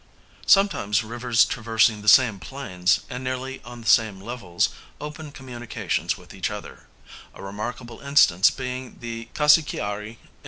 Sometimes rivers traversing the same plains, and nearly on the same levels, open communications with each other, a remarkable instance being the Cassiquiari in S.